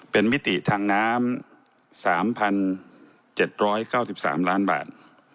เป็นมิติทางน้ำ๓๗๙๓ล้านบาท